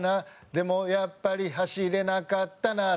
「でもやっぱり走れなかったなら」